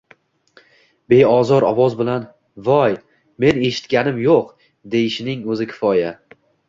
beozor ovoz bilan: “Voy, men eshitganim yo‘q”, deyishining o‘zi kifoya.